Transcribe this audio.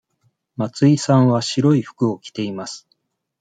松井さんは白い服を着ています。